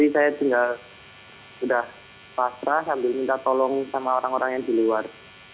sambil minta tolong sama orang orang yang di luar